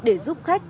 để giúp khách